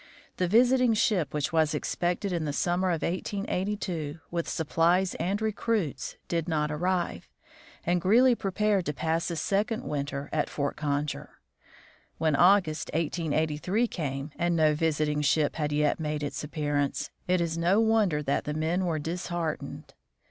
The visiting ship which was expected in the summer of 1882, with supplies and 90 THE FROZEN NORTH recruits, did not arrive, and Greely prepared to pass a sec ond winter at Fort Conger. When August, 1883, came and no visiting ship had yet made its appearance, it is no wonder that the men were disheartened.